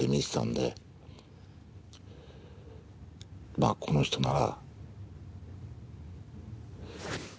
まあこの人なら。